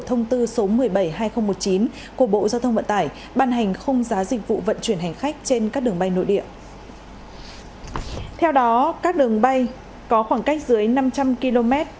theo đó các đường bay có khoảng cách dưới năm trăm linh km